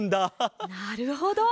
なるほど。